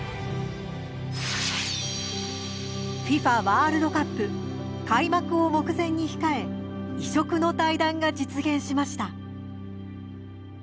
ワールドカップ開幕を目前に控え異色の対談が実現しました。